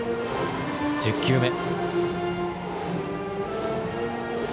１０球目。